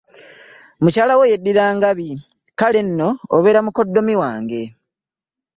Mukyala wo yeddira ngabi kale nno obeera mukoddomi wange.